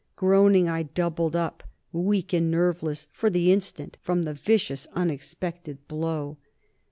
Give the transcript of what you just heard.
Groaning, I doubled up, weak and nerveless, for the instant, from the vicious, unexpected blow.